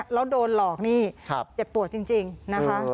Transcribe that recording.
แล้วโดนหลอกนี่เจ็บปวดจริงนะคะ